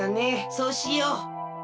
そうしよう。